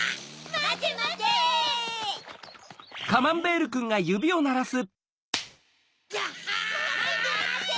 まてまて！